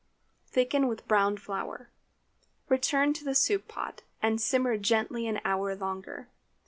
Thicken with browned flour; return to the soup pot, and simmer gently an hour longer.